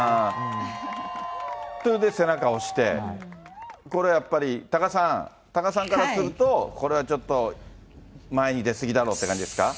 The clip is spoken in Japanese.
それで、背中を押して、これはやっぱり、多賀さん、多賀さんからすると、これはちょっと前に出すぎだろって感じですか？